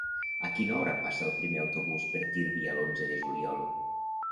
A quina hora passa el primer autobús per Tírvia l'onze de juliol?